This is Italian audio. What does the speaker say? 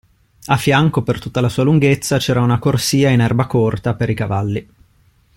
A fianco, per tutta la sua lunghezza, c'era una corsia in erba corta per i cavalli.